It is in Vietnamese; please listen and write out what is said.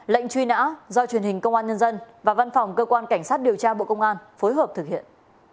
lệnh truy nã do truyền hình công an nhân dân và văn phòng cơ quan cảnh sát điều tra bộ công an phối hợp thực hiện